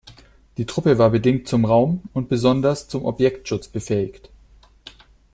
Die Truppe war bedingt zum Raum- und besonders zum Objektschutz befähigt.